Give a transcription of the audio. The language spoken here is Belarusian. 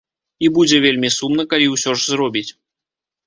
І будзе вельмі сумна, калі ўсё ж зробіць.